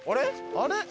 あれ？